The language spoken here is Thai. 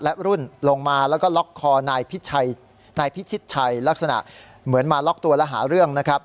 และรุ่นลงมาแล้วก็ล็อกคอนายพิชิตชัยลักษณะเหมือนมาล็อกตัวและหาเรื่องนะครับ